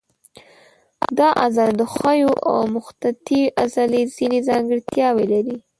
دا عضله د ښویې او مخططې عضلې ځینې ځانګړتیاوې لري.